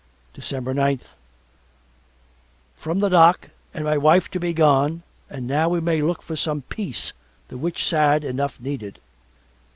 December ninth From the dock and my wife do be gone and now we may look for some peace the which sad enough needed.